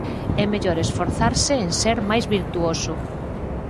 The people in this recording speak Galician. É mellor esforzarse en ser máis virtuoso.